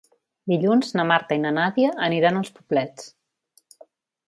Dilluns na Marta i na Nàdia aniran als Poblets.